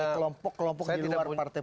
kelompok kelompok di luar partai